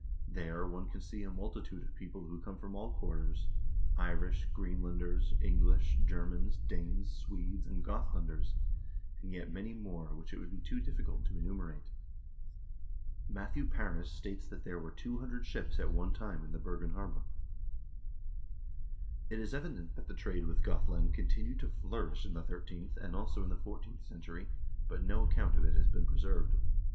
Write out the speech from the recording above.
There one can see a multitude of people who come from all quarters; Irish, Greenlanders, English, Germans, Danes, Swedes, and Gothlanders, and yet many more which it would be too difficult to enumerate." 3 Matthew Paris states that there were 200 ships at one time in the Bergen harbor.4 It is evident that the trade with Gothland continued to flourish in the thirteenth and also in the fourteenth century, but no account of it has been preserved.